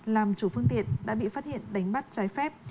làm chủ phương tiện đã bị phát hiện đánh bắt trái phép